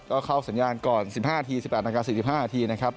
ก็เข้าสัญญาก่อน๑๕น๑๘น๔๕นนะครับ